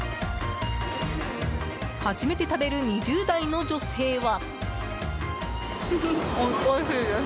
初めて食べる、２０代の女性は。